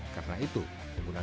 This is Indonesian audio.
karena itu penggunaan